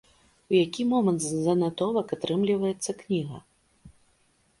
У які момант з занатовак атрымліваецца кніга?